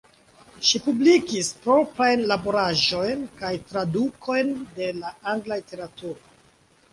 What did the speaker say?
Ŝi publikis proprajn laboraĵojn kaj tradukojn de la angla literaturo.